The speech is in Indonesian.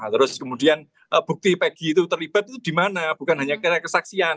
terus kemudian bukti pegi itu terlibat itu di mana bukan hanya karena kesaksian